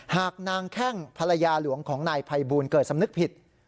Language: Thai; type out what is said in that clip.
หากนางแข้งภรรยาหลวงของนายภัยบูลเกิดสำนึกผิด